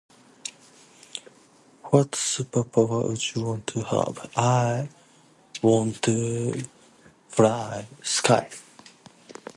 What superpower would you want to have? I want to fly sky.